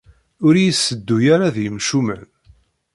Ur iyi-ssedduy ara d yimcumen.